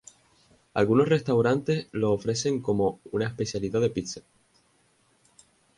Algunos restaurantes los ofrecen como una especialidad de pizza.